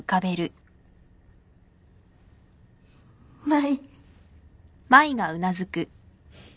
舞。